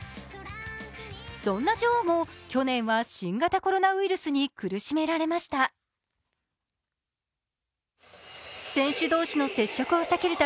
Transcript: そんな女王も去年は新型コロナウイルスに苦しめられました。